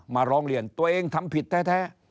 ร้องเรียนตัวเองทำผิดแท้